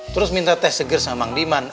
terus minta teh seger sama mang diman